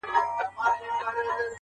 • پر تك سره پلـــنــگ.